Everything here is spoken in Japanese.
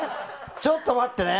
ちょっと待ってね。